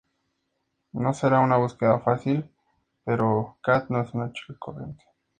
No será una búsqueda fácil, pero Cat no es una chica corriente.